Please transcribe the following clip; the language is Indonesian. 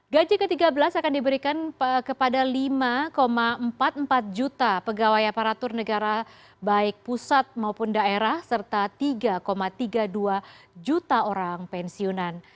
gaji ke tiga belas akan diberikan kepada lima empat puluh empat juta pegawai aparatur negara baik pusat maupun daerah serta tiga tiga puluh dua juta orang pensiunan